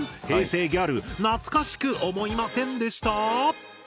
平成ギャル懐かしく思いませんでした？